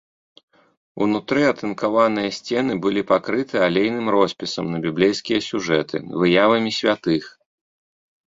Унутры атынкаваныя сцены былі пакрыты алейным роспісам на біблейскія сюжэты, выявамі святых.